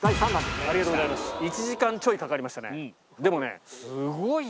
でもね。